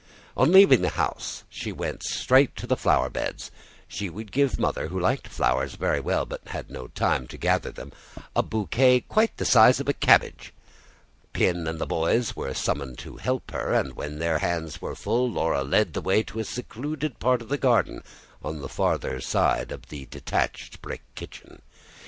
On leaving the house she went straight to the flower beds: she would give Mother, who liked flowers very well but had no time to gather them, a bouquet the size of a cabbage. Pin and the boys were summoned to help her, and when their hands were full, Laura led the way to a secluded part of the garden on the farther side of the detached brick kitchen.